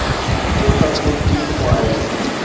اهو سڀ ڪجهه ٿي چڪو آهي.